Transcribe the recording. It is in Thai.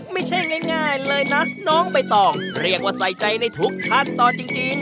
ไม่ใช่ง่ายง่ายเลยนะน้องไปต่อเรียกว่าใส่ใจในทุกท่านตอนจริงจริง